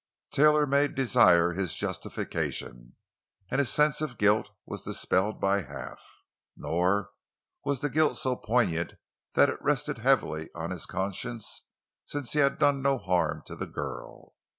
Taylor made desire his justification, and his sense of guilt was dispelled by half. Nor was the guilt so poignant that it rested heavily on his conscience since he had done no harm to the girl.